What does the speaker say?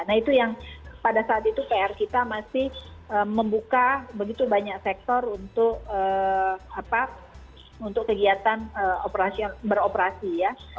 nah itu yang pada saat itu pr kita masih membuka begitu banyak sektor untuk kegiatan beroperasi ya